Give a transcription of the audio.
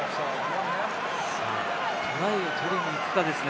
トライを取りに行くかですね。